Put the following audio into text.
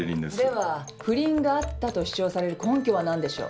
では不倫があったと主張される根拠は何でしょう？